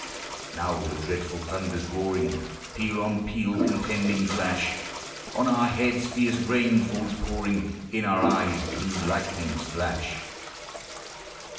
Now the dreadful thunder 's roaring Teal on peal contending clash, On our heads fierce rain falls pouring, In our eyes blue lightnings Hash.